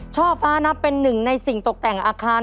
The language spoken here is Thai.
ช่อฟ้านับเป็นหนึ่งในสิ่งตกแต่งอาคาร